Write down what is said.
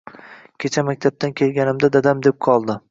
Kecha maktabdan kelganimda dadam deb qoldi